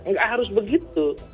enggak harus begitu